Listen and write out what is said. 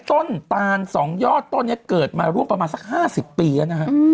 ตาน๒ยอดต้นนี้เกิดมาร่วมประมาณสัก๕๐ปีแล้วนะฮะ